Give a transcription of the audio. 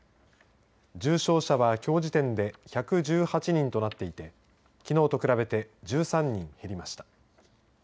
重症者は、きょう時点で１１８人となっていてきのうと比べて１３人減りました。